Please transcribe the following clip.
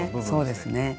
そうですね。